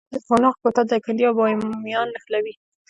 د قوناق کوتل دایکنډي او بامیان نښلوي